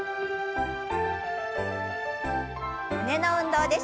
胸の運動です。